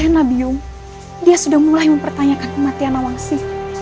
hesu sena biung dia sudah mulai mempertanyakan kematian awang si